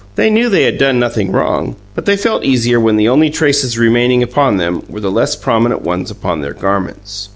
They knew they had done nothing wrong; but they felt easier when the only traces remaining upon them were the less prominent ones upon their garments.